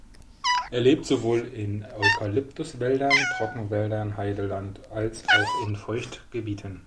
Er lebt sowohl in Eukalyptuswäldern, Trockenwäldern, Heideland als auch in Feuchtgebieten.